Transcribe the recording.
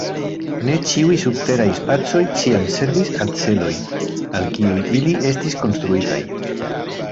Ne ĉiuj subteraj spacoj ĉiam servis al celoj, al kiuj ili estis konstruitaj.